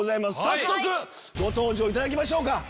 早速ご登場いただきましょうか。